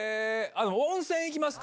温泉いきますか。